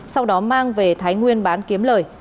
sau đó mang về thái nguyên bán kiếm lời